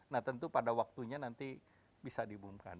nah tentu pada waktunya nanti bisa diumumkan